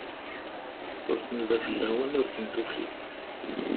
Ur tnuda fell-awen, ur ken-tufi.